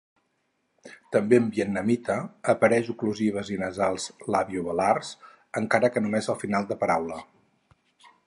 També en vietnamita apareix oclusives i nasals labiovelars, encara que només a final de paraula.